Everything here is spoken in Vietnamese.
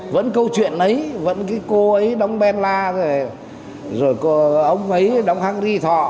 vẫn câu chuyện ấy vẫn cái cô ấy đóng bèn la rồi rồi ông ấy đóng hang ri thọ